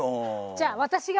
じゃあ私が。